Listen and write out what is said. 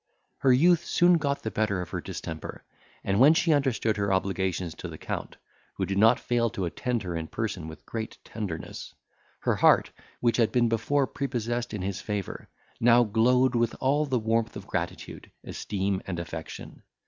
Her youth soon got the better of her distemper, and when she understood her obligations to the Count, who did not fail to attend her in person with great tenderness, her heart, which had been before prepossessed in his favour, now glowed with all the warmth of gratitude, esteem, and affection.